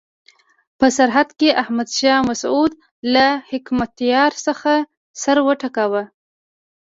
په سر کې احمد شاه مسعود له حکمتیار څخه سر وټکاوه.